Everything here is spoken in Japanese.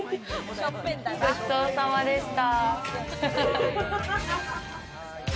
ごちそうさまでした！